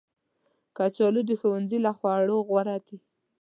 کچالو د ښوونځي له خوړو غوره دي